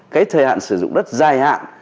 cái thời hạn sử dụng đất dài hạn